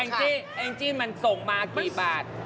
แอ้งจี้แอ้งจี้มันส่งมากี่บาท